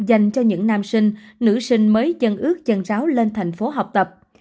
dành cho những nam sinh nữ sinh mới chân ước chân giáo lên thành phố học tập